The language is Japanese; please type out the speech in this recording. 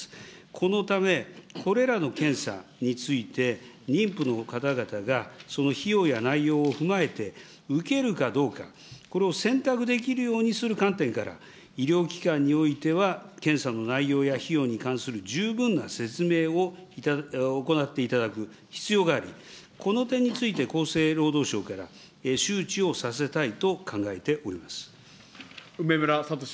このため、これらの検査について、妊婦の方々がその費用や内容を踏まえて、受けるかどうか、これを選択できるようにする観点から、医療機関においては、検査の内容や費用に関する十分な説明を行っていただく必要があり、この点について、厚生労働省から周知をさせたいと考えております。